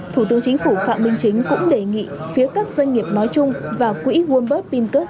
thủ tướng chính phủ phạm minh chính cũng đề nghị phía các doanh nghiệp nói chung và quỹ worldbert pncus